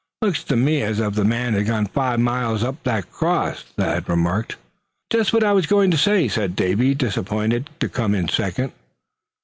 "Looks to me as if the men had gone five miles up to that cross," Thad remarked. "Just what I was going to say," said Davy, disappointed to come in second.